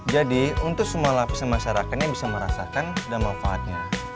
jadi untuk semua lapisan masyarakatnya bisa merasakan dan manfaatnya